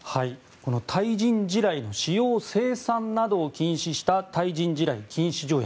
対人地雷の使用・生産などを禁止した対人地雷禁止条約。